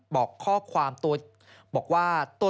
บอกข้อขวามตัว